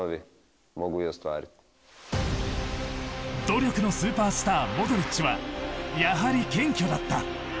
努力のスーパースターモドリッチはやはり謙虚だった。